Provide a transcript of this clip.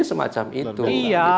semacam itu iya